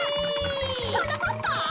はなかっぱ？